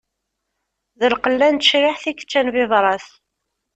D lqella n tecriḥt i yeččan bibras.